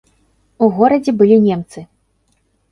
У горадзе былі немцы.